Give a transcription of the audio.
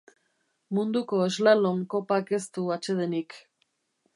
Munduko slalom kopak ez du atsedenik.